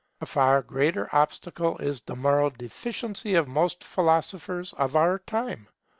A far greater obstacle is the moral deficiency of most philosophers of our time.